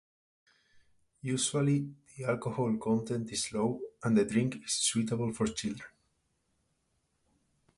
Usually, the alcohol content is low and the drink is suitable for children.